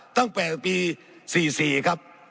ตั้งแต่ปี๔๔ครับ